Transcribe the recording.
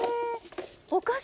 お菓子。